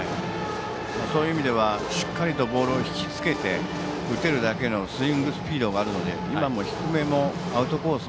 そういう意味ではしっかりとボールを引きつけて打てるだけのスイングスピードがあるので今も低めのアウトコース